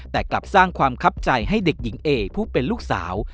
แต่กลับสร้างความคับใจให้เด็กหญิงเอผู้เป็นลูกสาว